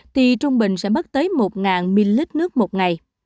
thì trung bình sẽ mất tới một nghìn ml nước một ngày